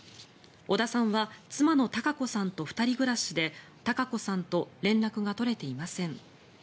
小田さんは妻のたか子さんと２人暮らしでたか子さんと連絡が取れていません。